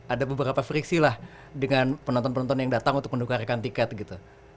ada beberapa friksi lah dengan penonton penonton yang datang untuk menukarkan tiket gitu